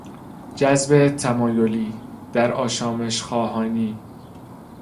جذب تمایلی، در آشامش خواهانی